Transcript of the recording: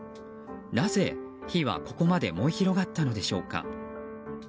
なぜ火は、ここまで燃え広がったのでしょうか。